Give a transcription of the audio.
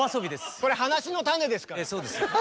これ話の種ですから！